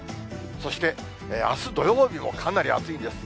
そしてあす土曜日も、かなり暑いです。